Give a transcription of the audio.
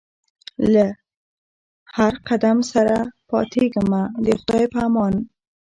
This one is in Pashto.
له هر قدم سره پاتېږمه د خدای په امان